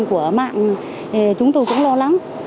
của mạng chúng tôi cũng lo lắng